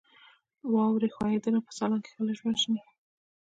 واورې ښویدنه په سالنګ کې خلک وژني؟